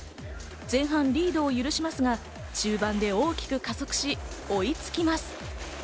前半リードを許しますが、中盤で大きく加速し、追いつきます。